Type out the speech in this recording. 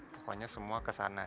pokoknya semua kesana